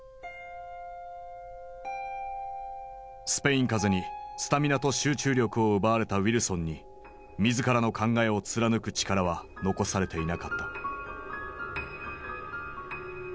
スペイン風邪にスタミナと集中力を奪われたウィルソンに自らの考えを貫く力は残されていなかった。